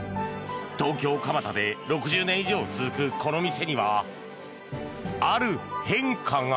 東京・蒲田で６０年以上続くこの店にはある変化が。